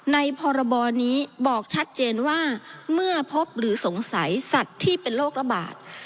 พรบนี้บอกชัดเจนว่าเมื่อพบหรือสงสัยสัตว์ที่เป็นโรคระบาด